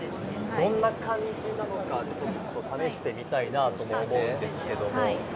どんな感じなのか、ちょっと試してみたいなと思うんですけれども。